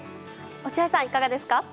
落合さん、いかがですか？